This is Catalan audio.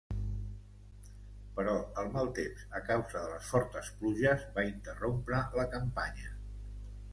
Però el mal temps, a causa de les fortes pluges, va interrompre la campanya.